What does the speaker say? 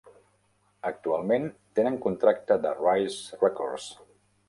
Actualment tenen contracte de Rise Records.